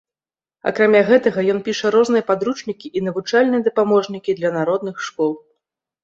Акрамя гэтага, ён піша розныя падручнікі і навучальныя дапаможнікі для народных школ.